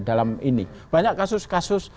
dalam ini banyak kasus kasus